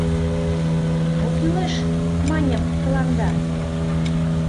Мо кӱлеш, маньым, тыланда?